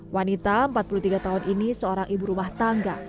wanita empat puluh tiga tahun ini seorang ibu rumah tangga